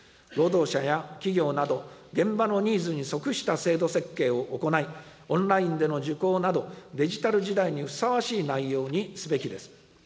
労働者や企業など、現場のニーズに即した制度設計を行い、オンラインでの受講など、デジタル時代にふさわしい内容にすべきです。